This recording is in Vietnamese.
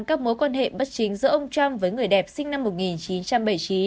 các mối quan hệ bất chính giữa ông trump với người đẹp sinh năm một nghìn chín trăm bảy mươi chín